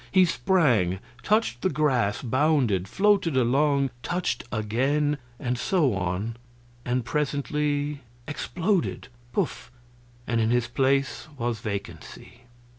He sprang touched the grass bounded floated along touched again and so on, and presently exploded puff! and in his place was vacancy.